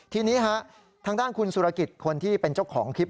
ทีนี้ฮะทางด้านคุณสุรกิจคนที่เป็นเจ้าของคลิป